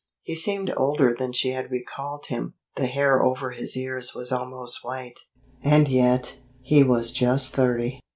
He seemed older than she had recalled him: the hair over his ears was almost white. And yet, he was just thirty.